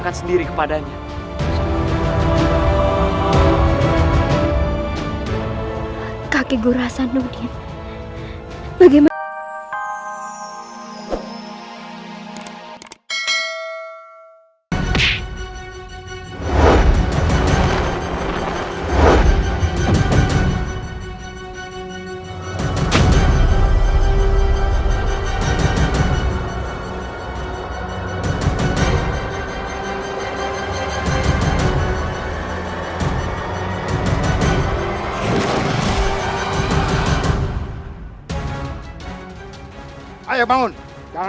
kakek gue rasa nudih